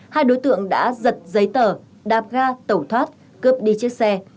hai đối tượng đã giật giấy tờ đạp ga tẩu thoát cướp đi chiếc xe